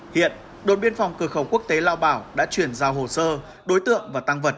hiện đội biên phòng cửa khẩu quốc tế lao bảo đã chuyển giao hồ sơ đối tượng và tăng vật